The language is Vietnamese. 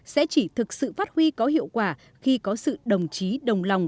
sẽ chỉ thực sự phát huy có hiệu quả khi có sự đồng chí đồng lòng